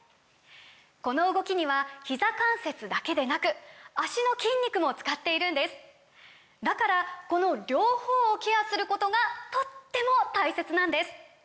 この動きにはひざ関節だけでなく脚の筋肉も使っているんですだからこの両方をケアすることがとっても大切なんです！